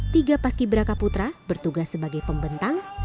tiga paski beraka putra bertugas sebagai pembentang